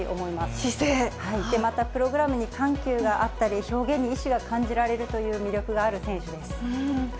またプログラムに緩急があったり、表現に意思が感じられるという魅力がある選手です。